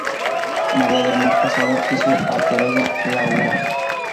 Maria del mar casado y su alterego Laura